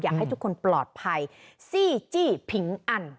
อยากให้ทุกคนปลอดภัยซี่จี้ผิงอัน